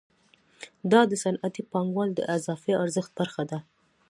دا د صنعتي پانګوال د اضافي ارزښت برخه ده